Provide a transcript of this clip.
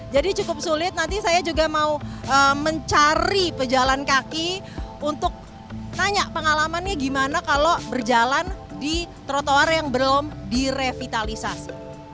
jadi cukup sulit nanti saya juga mau mencari pejalan kaki untuk tanya pengalamannya gimana kalau berjalan di trotoar yang belum direvitalisasi